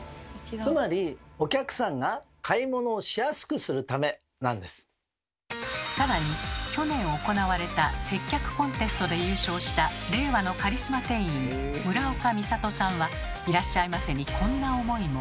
つまりさらに去年行われた接客コンテストで優勝した令和のカリスマ店員村岡美里さんは「いらっしゃいませ」にこんな思いも。